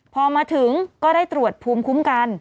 พอมาถึงก็ได้ตรวจภูมิคุ้มกัน